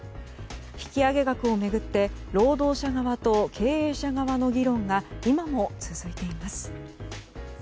引き上げ額を巡って労働者側と経営者側の議論が今も続いています。